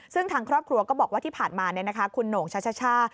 ซึ่งทางครอบครัวก็บอกว่าที่ผ่านมาคุณโหน่งช่า